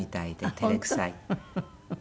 照れくさい。